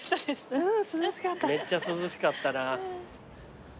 めっちゃ涼しかったな。